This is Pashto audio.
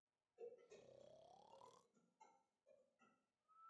ـ تميز که غواړئ تل به ژاړئ.